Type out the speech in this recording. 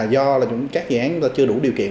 do là các dự án chúng ta chưa đủ điều kiện